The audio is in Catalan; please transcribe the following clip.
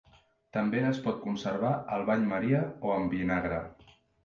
També es pot conservar al bany maria o en vinagre.